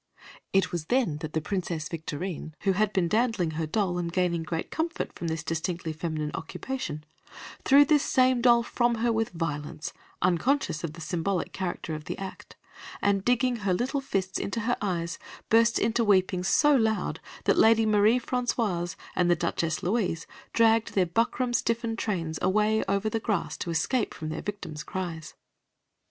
It was then that the Princess Victorine, who had been dandling her doll and gaining great comfort from this distinctly feminine occupation, threw this same doll from her with violence, unconscious of the symbolic character of the act, and digging her little fists into her eyes, burst into weeping so loud that Lady Marie Françoise and Duchess Louise dragged their buckram stiffened trains away over the grass to escape from their victim's cries.